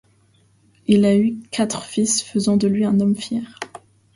Il eut ainsi quatre fils, faisant de lui un homme fier.